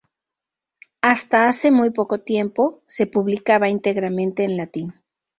Hasta hace muy poco tiempo, se publicaba íntegramente en latín.